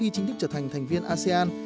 chính thức trở thành thành viên asean